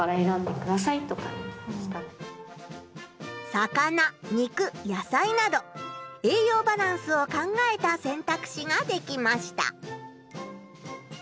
魚肉野菜などえいようバランスを考えた選択肢ができました。